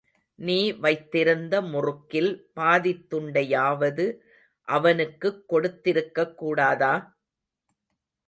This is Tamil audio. நீ வைத்திருந்த முறுக்கில் பாதித் துண்டையாவது அவனுக்குக் கொடுத் திருக்கக்கூடாதா?